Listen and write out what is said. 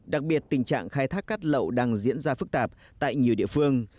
đặc biệt tình trạng khai thác cát lậu đang diễn ra phức tạp tại nhiều địa phương